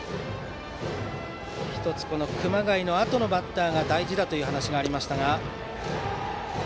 １つ、熊谷のあとのバッターが大事だという話がありました。